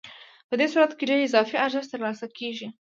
په دې صورت کې ډېر اضافي ارزښت ترلاسه کېږي